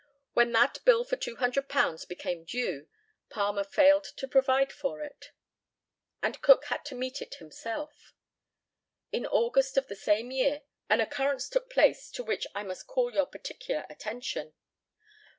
When that bill for £200 became due, Palmer failed to provide for it, and Cook had to meet it himself. In August of the same year, an occurrence took place to which I must call your particular attention.